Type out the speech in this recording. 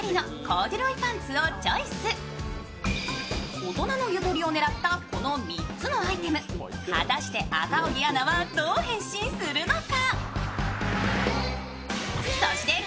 大人のゆとりを狙ったこの３つのアイテム、果たして赤荻アナはどう変身するのか？